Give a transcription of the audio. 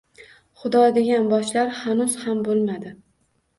Xudo degan boshlar hanuz xam boʼlmadi.